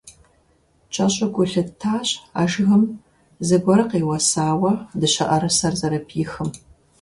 КӀэщӀу гу лъыттащ а жыгым зыгуэр къеуэсауэ дыщэӀэрысэр зэрыпихым.